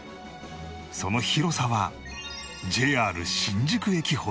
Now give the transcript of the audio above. その広さは ＪＲ 新宿駅ほど